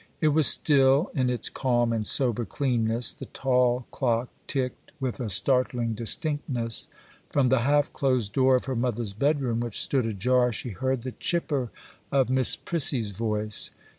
It was still in its calm and sober cleanness;—the tall clock ticked with a startling distinctness. From the half closed door of her mother's bedroom, which stood ajar, she heard the chipper of Miss Prissy's voice.